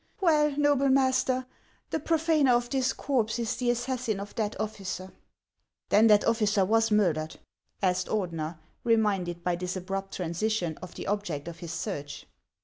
" Well, noble master, the profaiier of this corpse is the assassin of that officer." " Then that officer was murdered ?" asked Ordener, re minded, by this abrupt transition, of the object of his search.